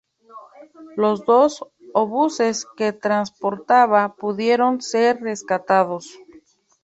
Los dos obuses que transportaba pudieron ser rescatados.